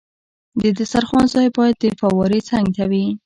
د دسترخوان ځای باید د فوارې څنګ ته وي.